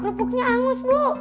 krupuknya hangus bu